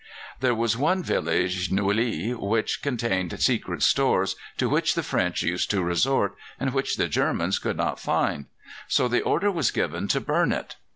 There was one village, Nouilly, which contained secret stores, to which the French used to resort, and which the Germans could not find; so the order was given to burn it.